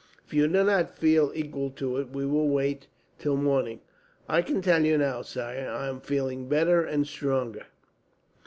"If you do not feel equal to it, we will wait till morning." "I can tell you now, sire. I am feeling better and stronger."